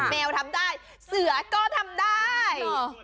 แมวทำได้เสือก็ทำได้